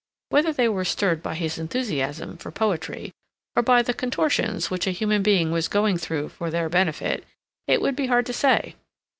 Whether they were stirred by his enthusiasm for poetry or by the contortions which a human being was going through for their benefit, it would be hard to say.